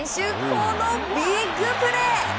このビッグプレー！